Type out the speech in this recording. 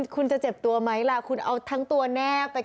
คุณจะเจ็บตัวไหมล่ะคุณเอาทั้งตัวแนบไปก่อน